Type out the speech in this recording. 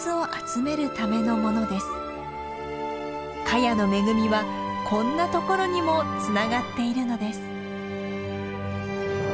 カヤの恵みはこんなところにもつながっているのです。